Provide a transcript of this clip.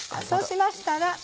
そうしましたら。